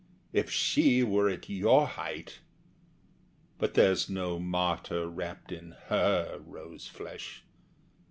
If she were at your height! But there's no martyr wrapt in HER rose flesh.